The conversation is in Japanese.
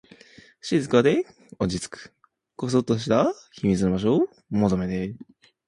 静かで、落ち着く、こそっとした秘密の場所を求めて